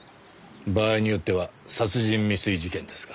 場合によっては殺人未遂事件ですが。